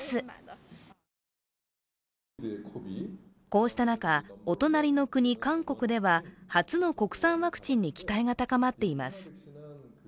こうした中、お隣の国・韓国では初の国産ワクチンに期待が高まっています。